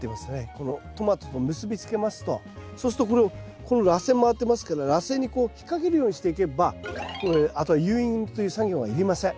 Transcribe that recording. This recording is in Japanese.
このトマトと結び付けますとそうするとこのらせん回ってますけどらせんに引っ掛けるようにしていけばあとは誘引という作業はいりません。